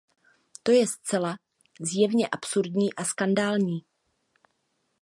To je zcela zjevně absurdní a skandální.